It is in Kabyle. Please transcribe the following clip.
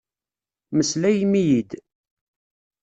Meslayem-iyi-d!